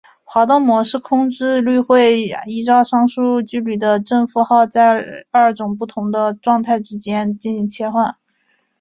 滑动模式控制律会依照上述距离的正负号在二种不同的状态之间进行切换。